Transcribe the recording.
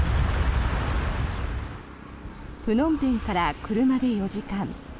プノンペンから車で４時間。